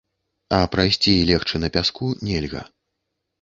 А прайсці і легчы на пяску нельга.